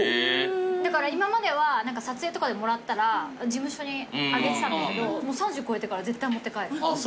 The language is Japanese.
だから今までは撮影とかでもらったら事務所にあげてたんだけど３０超えてから絶対持って帰る。